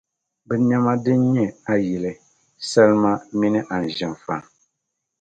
Bɛ nɛma din nyɛ ayili: Salima minii anzinfa.